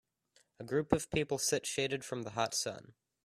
A group of people sit shaded from the hot sun.